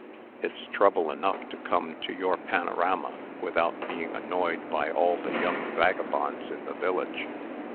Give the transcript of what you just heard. "It's trouble enough to come to your panorama, without being annoyed by all the young vagabonds in the village."